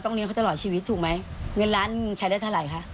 เลี้ยเขาตลอดชีวิตถูกไหมเงินล้านใช้ได้เท่าไหร่คะ